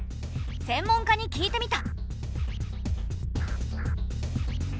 専門家に聞いてみた。